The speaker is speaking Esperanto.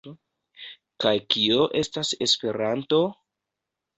Kaj kio estas Esperanto?